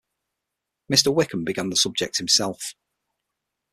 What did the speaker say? Mr. Wickham began the subject himself.